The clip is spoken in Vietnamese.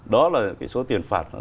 đó là cái số tiền phạt